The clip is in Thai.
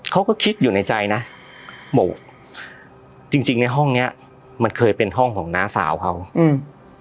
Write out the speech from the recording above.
เขาก็คิดอยู่ในใจนะบอกจริงจริงในห้องเนี้ยมันเคยเป็นห้องของน้าสาวเขาอืม